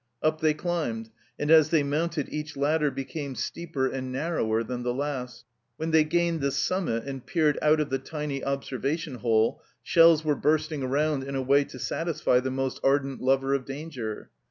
Up they climbed, and as they mounted each ladder became steeper and narrower than the last. When they gained the summit and peered out of the tiny observation hole, shells were bursting around in a way to satisfy the most ardent lover of danger